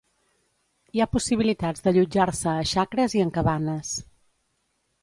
Hi ha possibilitats d'allotjar-se a xacres i en cabanes.